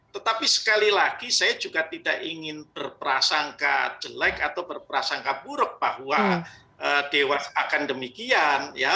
tetapi sekali lagi saya juga tidak ingin berprasangka jelek atau berprasangka buruk bahwa dewas akan demikian ya